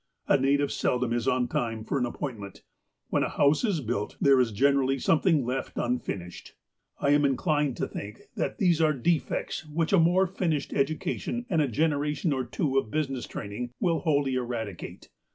A native seldom is on time for an appointment. When a house is built, there is generally something left unfinished. I am inclined to FLOTSAM AND JETSAM 349 think tliat these are defects which a more finished educa tion, and a generation or two of business training, will wholly eradicate.